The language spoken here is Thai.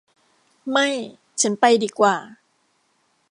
ไม่ ฉันไปดีกว่า